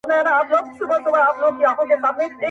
په توره شپه به په لاسونو کي ډېوې و باسو,